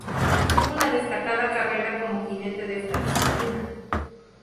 Tuvo una destacada carrera como jinete de esta disciplina.